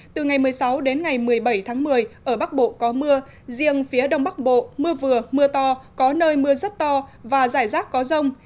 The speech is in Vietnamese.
từ ngày một mươi sáu đến ngày một mươi bảy tháng một mươi ở bắc bộ có mưa riêng phía đông bắc bộ mưa vừa mưa to có nơi mưa rất to và rải rác có rông